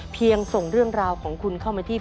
ส่งเรื่องราวของคุณเข้ามาที่